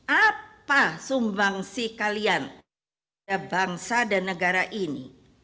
apa sumbangsih kalian bagi bangsa dan negara ini